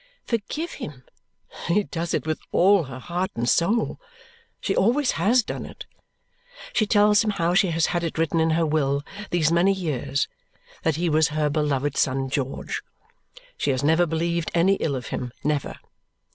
Forgive him! She does it with all her heart and soul. She always has done it. She tells him how she has had it written in her will, these many years, that he was her beloved son George. She has never believed any ill of him, never.